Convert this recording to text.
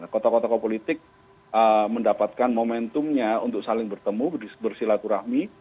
kotok tokoh politik mendapatkan momentumnya untuk saling bertemu bersilaturahmi